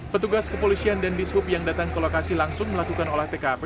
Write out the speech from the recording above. petugas kepolisian dan dishub yang datang ke lokasi langsung melakukan olah tkp